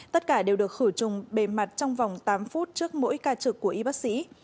tất cả đều được khử trùng bề mặt trong vòng tám phút trước mỗi ca trực của y bác sĩ